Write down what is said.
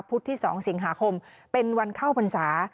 ที่๒สิงหาคมเป็นวันเข้าพรรษา